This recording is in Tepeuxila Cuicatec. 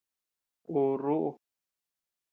Ú rúʼu.